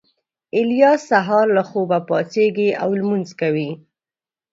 الیاس سهار له خوبه پاڅېږي او لمونځ کوي